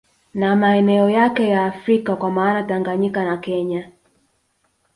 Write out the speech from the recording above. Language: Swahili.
Na maeneo yake ya Afrika kwa maana ya Tanganyika na Kenya